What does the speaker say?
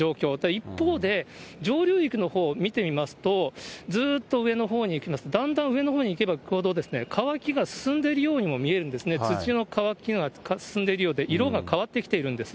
一方で、上流域のほう見てみますと、ずっと上のほうに行きますと、だんだん上のほうに行けば行くほど、乾きが進んでいるようにも見えるんですね、土の乾きが進んでいるようで、色が変わってきているんです。